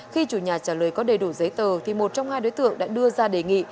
khi chủ nhà trả lời có đầy đủ giấy tờ thì một trong hai đối tượng đã đưa ra đề nghị